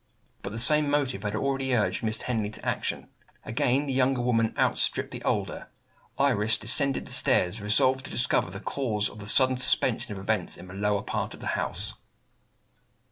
But the same motive had already urged Miss Henley to action. Again, the younger woman outstripped the older. Iris descended the stairs, resolved to discover the cause of the sudden suspension of events in the lower part of the house.